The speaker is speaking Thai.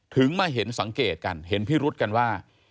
มาเห็นสังเกตกันเห็นพิรุษกันว่า